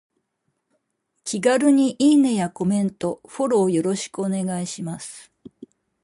気軽にいいねやコメント、フォローよろしくお願いします。